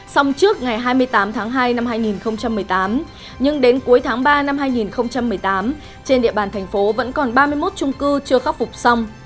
xong trước ngày hai mươi tám tháng hai năm hai nghìn một mươi tám nhưng đến cuối tháng ba năm hai nghìn một mươi tám trên địa bàn thành phố vẫn còn ba mươi một trung cư chưa khắc phục xong